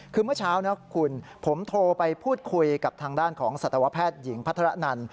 คือเมื่อเช้านะคุณผมโทรไปพูดคุยกับทางด้านของสัตวแพทย์หญิงพัฒระนัน